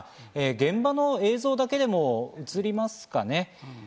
現場の映像だけでも映りますかね？